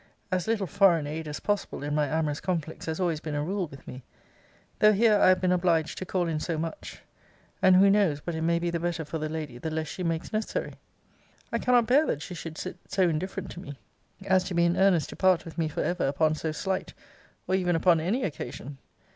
As little foreign aid as possible in my amorous conflicts has always been a rule with me; though here I have been obliged to call in so much. And who knows but it may be the better for the lady the less she makes necessary? I cannot bear that she should sit so indifferent to me as to be in earnest to part with me for ever upon so slight, or even upon any occasion.